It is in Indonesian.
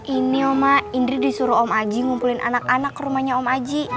ini oma indri disuruh om aji ngumpulin anak anak ke rumahnya om aji